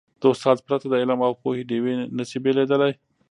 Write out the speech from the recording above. د استاد پرته، د علم او پوهې ډېوي نه سي بلېدلی.